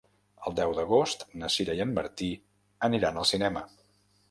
El deu d'agost na Sira i en Martí aniran al cinema.